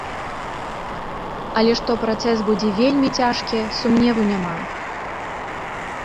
Але што працэс будзе вельмі цяжкі, сумневу няма.